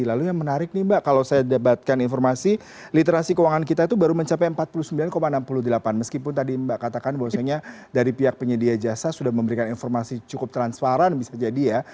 lalu yang menarik nih mbak kalau saya dapatkan informasi literasi keuangan kita itu baru mencapai empat puluh sembilan enam puluh delapan meskipun tadi mbak katakan bahwasanya dari pihak penyedia jasa sudah memberikan informasi cukup transparan bisa jadi ya